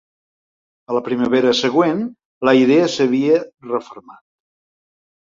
A la primavera següent, la idea s'havia refermat.